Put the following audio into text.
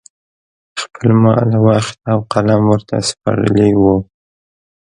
خپل مال، وخت او قلم ورته سپارلي وو